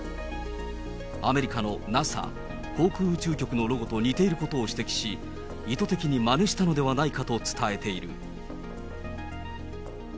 アメリカのＮＡＳＡ・航空宇宙局のロゴと似ていることを指摘し、意図的にまねしたのではないかと伝えている。